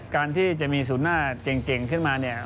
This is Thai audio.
การที่จะมีศูนย์หน้าเก่งขึ้นมาเนี่ย